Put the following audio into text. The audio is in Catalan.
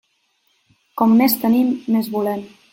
Com més tenim, més volem.